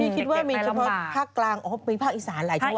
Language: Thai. พี่คิดว่ามีเฉพาะภาคกลางอ๋อภาคอิสานหลายชั่วโหวะ